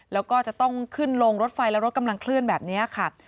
แล้วก็จะต้องขึ้นลงรถไฟแล้วรถกำลังเคลื่อนแบบนี้ค่ะ